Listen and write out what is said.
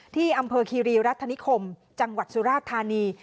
ที่อำเภอคีรีรัฐนิคมจังหวัดสุราธานี